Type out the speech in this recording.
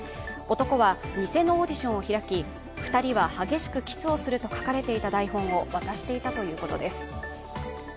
男は偽のオーディションを開き２人は激しくキスをすると書かれた台本を渡していたということです。